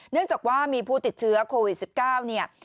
เนื่องจากว่ามีผู้ติดเชื้อโควิด๑๙เนี่ย